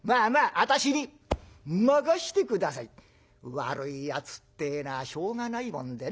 悪いやつってえのはしょうがないもんでね。